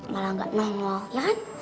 malah gak nengok ya kan